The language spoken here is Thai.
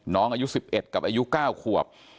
น้องอายุ๑๑กับอายุ๙ขวบ